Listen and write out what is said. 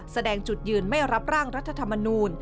แสดงจุดยืนไม่รับร่างรัฐธรรมนูล